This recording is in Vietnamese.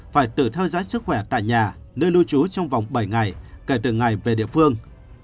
phải tự theo dõi sức khỏe tại nhà nơi lưu trú trong vòng bảy ngày kể từ ngày về địa phương